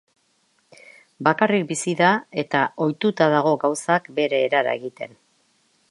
Bakarrik bizi da eta ohituta dago gauzak bere erara egiten.